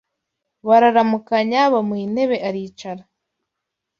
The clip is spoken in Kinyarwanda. Bararamukanya bamuha intebe aricara